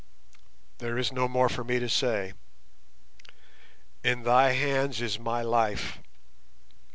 There is no more for me to say; in thy hands is my life."